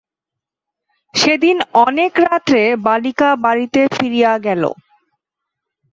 সেদিন অনেক রাত্রে বালিকা বাড়িতে ফিরিয়া গেল।